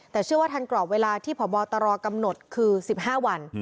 แต่เชื่อว่าทันกรอบเวลาที่พบตรกำหนดคือ๑๕วัน